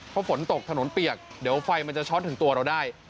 เพราะฝนตกถนนเปียกเดี๋ยวไฟมันจะช็อตถึงตัวเราได้